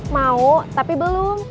mau tapi belum